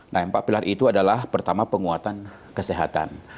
nah empat pilar itu adalah pertama penguatan kesehatan